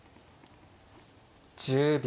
１０秒。